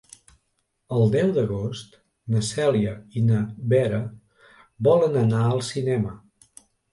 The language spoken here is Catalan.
El deu d'agost na Cèlia i na Vera volen anar al cinema.